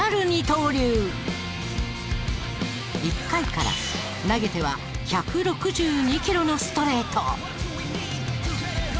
１回から投げては１６２キロのストレート！